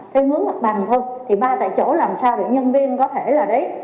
cái ngưỡng mặt bàn thôi thì ba tại chỗ làm sao để nhân viên có thể là đấy